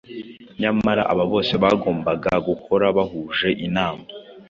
Nyamara aba bose bagombaga gukora bahuje inama.